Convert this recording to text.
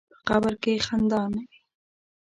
په قبر کې خندا نه وي.